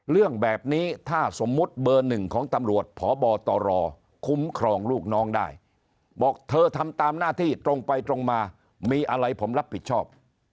เรื่องแบบนี้ถ้าสมมุติเบอร์หนึ่งของตำรวจพบตรคุ้มครองลูกน้องได้บอกเธอทำตามหน้าที่ตรงไปตรงมามีอะไรผมรับผิดชอบ